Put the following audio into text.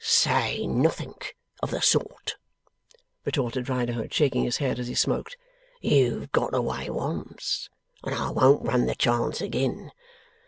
'Say nothink of the sort,' retorted Riderhood, shaking his head as he smoked. 'You've got away once, and I won't run the chance agin.